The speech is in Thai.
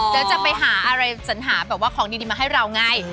อยากจะไปหาอะไรจนหาของดีมาให้เรามันง่าย